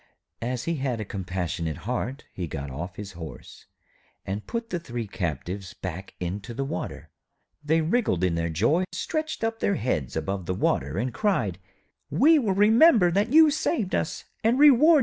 As he had a compassionate heart, he got off his horse and put the three captives back into the water. They wriggled in their joy, stretched up their heads above the water, and cried 'We will remember that you saved us, and reward you for it.'